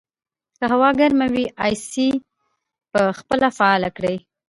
که هوا ګرمه وي، اې سي په خپله فعاله کېږي.